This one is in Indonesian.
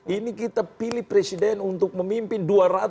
ini kita pilih presiden untuk memimpin